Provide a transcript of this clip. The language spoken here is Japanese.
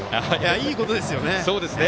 いいことですよね。